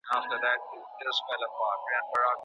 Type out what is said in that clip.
چې د بېنومه انځورګر استاد په دې تابلو یې زړه بایلوده